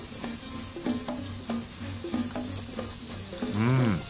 うん！